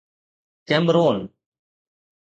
Cameron